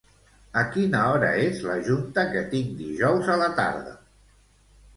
A quina hora és la junta que tinc dijous a la tarda?